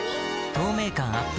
透明感アップ